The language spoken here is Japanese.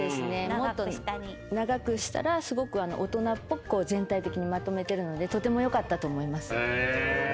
もっと長くしたらすごく大人っぽく全体的にまとめてるのでとてもよかったと思います。